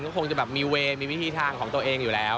ก็คงจะแบบมีเวย์มีวิธีทางของตัวเองอยู่แล้ว